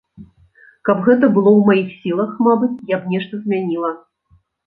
Каб гэта было ў маіх сілах, мабыць, я б нешта змяніла.